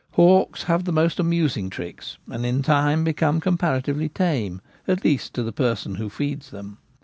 Hawks have most amusing tricks, and in time become comparatively tame, at least to the person who feeds them.